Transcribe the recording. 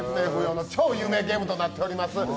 超有名ゲームとなっております。